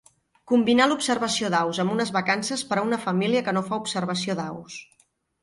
Combinar l'observació d'aus amb unes vacances per a una família que no fa observació d'aus.